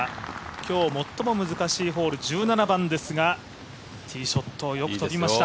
今日最も難しいホール１７番ですがティーショットよく飛びました。